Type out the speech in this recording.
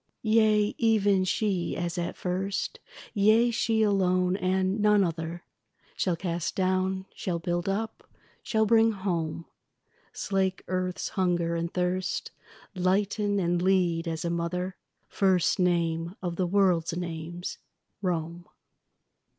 Yea, even she as at first, Yea, she alone and none other, Shall cast down, shall build up, shall bring home; Slake earth's hunger and thirst, Lighten, and lead as a mother; First name of the world's names, Rome.